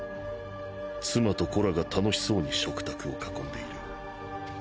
妻と子らが愉しそうに食卓を囲んでいる。